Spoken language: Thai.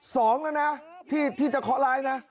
สองนะนะที่จะข้อร้ายนะ